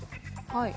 はい。